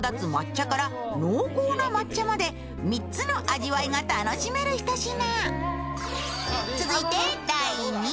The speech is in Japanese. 抹茶から濃厚な抹茶まで３つの味わいが楽しめるひと品。